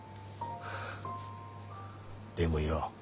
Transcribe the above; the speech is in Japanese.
でもよ